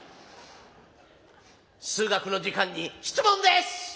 数学の時間に「質問です！」。